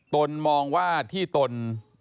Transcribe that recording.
ตนมองว่าที่ตน